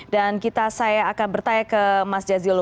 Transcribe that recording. dan saya akan bertanya ke mas jazilu